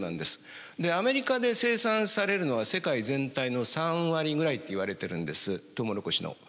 でアメリカで生産されるのは世界全体の３割ぐらいといわれてるんですトウモロコシの。